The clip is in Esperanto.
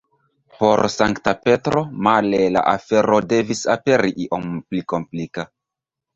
Por Sankta Petro, male, la afero devis aperi iom pli komplika.